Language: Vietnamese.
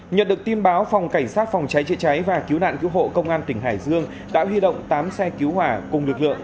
nhận được tin báo phòng cảnh sát phòng cháy chữa cháy và cứu nạn cứu hộ công an tỉnh hải dương đã huy động tám xe cứu hỏa cùng lực lượng